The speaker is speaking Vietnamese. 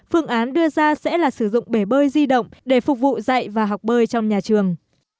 phương án đưa ra sẽ là sử dụng bể bơi di động để phục vụ dạy và học bơi trong nhà trường